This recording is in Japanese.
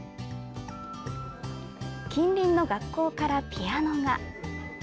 近隣の学校からピアノが。